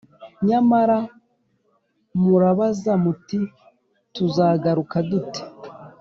Nyamara murabaza muti ‘Tuzagaruka dute?’